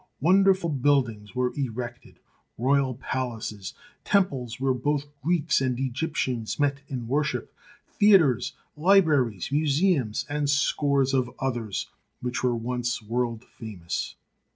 Wonderful buildings were erected, royal palaces, temples where both Greeks and Egyptians met in worship, theatres, libraries, museums, and scores of others which were once world famous.